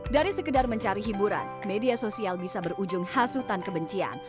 dari sekedar mencari hiburan media sosial bisa berujung hasutan kebencian